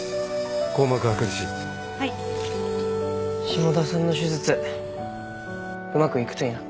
下田さんの手術うまくいくといいな。